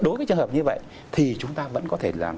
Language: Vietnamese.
đối với trường hợp như vậy thì chúng ta vẫn có thể là